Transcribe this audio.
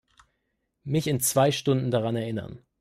Mich in zwei Stunden daran erinnern.